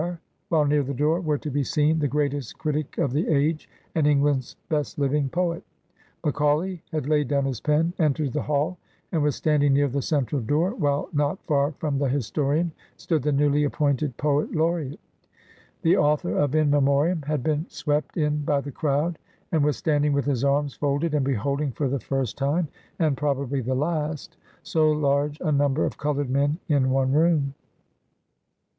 while near the door were to be seen the greatest critic of the age, and England's best living poet. Macaulay had laid down his pen, entered the hall, and was standing near the central door, while not far from the historian stood the newly appointed Poet Laureate. The author of ■ In Memoriam J had been swept in by the crowd, and was standing with his arms folded, and beholding for the first time, and probably the last, so large a number of colored men in one room.